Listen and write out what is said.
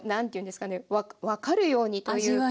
分かるようにというか。